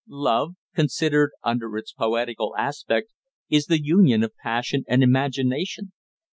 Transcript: Love, considered under its poetical aspect, is the union of passion and imagination.